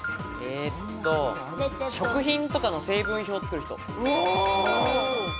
食品とかの成分表を作る人。